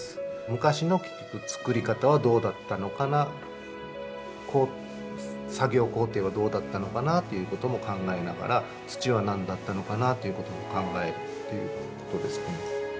昔の結局つくり方はどうだったのかな作業工程はどうだったのかなということも考えながら土は何だったのかなということも考えるっていうことですかね。